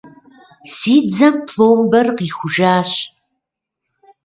Си дзэм пломбэр къихужащ.